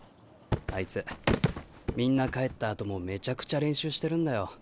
あいつみんな帰ったあともめちゃくちゃ練習してるんだよ。